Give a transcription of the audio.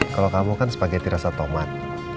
kalau kamu kan spageti rasa tomat